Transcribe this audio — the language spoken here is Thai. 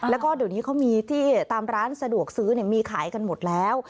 แล้วก็เดี๋ยวนี้เขามีที่ตามร้านสะดวกซื้อมีขายกันหมดแล้ว